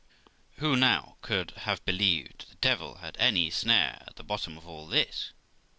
Who now could have believed the devil had any snare at the bottom of all this?